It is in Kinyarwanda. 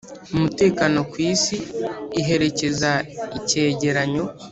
umutekano ku isi iherekeza icyegeranyo